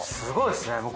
すごいですね。